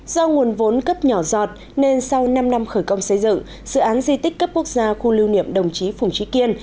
do nguồn vốn cấp nhỏ giọt nên sau năm năm khởi công xây dựng dự án di tích cấp quốc gia khu lưu niệm đồng chí phùng trí kiên